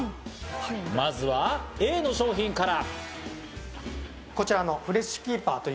まずはＡの商品から。